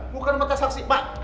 bukan mata saksi